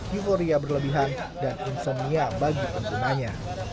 euforia berlebihan dan insomnia bagi penggunanya